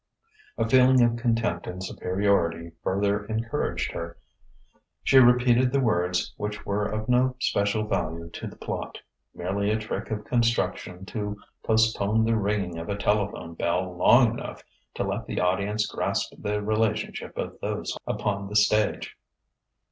A feeling of contempt and superiority further encouraged her. She repeated the words, which were of no special value to the plot merely a trick of construction to postpone the ringing of a telephone bell long enough to let the audience grasp the relationship of those upon the stage.